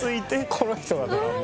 「この人がドラム」。